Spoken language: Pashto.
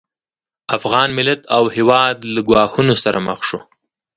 افغان ملت او هېواد له ګواښونو سره مخ شو